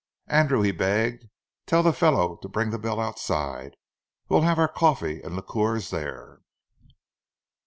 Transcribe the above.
"Andrew," he begged, "tell the fellow to bring the bill outside. We'll have our coffee and liqueurs there."